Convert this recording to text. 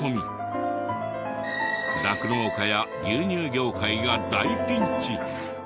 酪農家や牛乳業界が大ピンチ！